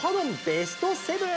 ベスト７！